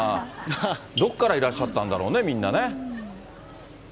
どっからいらっしゃったんだろうね、みんなね。